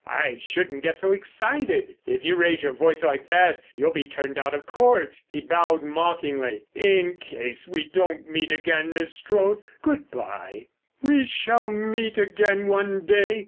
"I shouldn't get so excited; if you raise your voice like that you'll be turned out of Court." He bowed mockingly. "In case we don't meet again, Miss Strode, good bye." "We shall meet again one day!"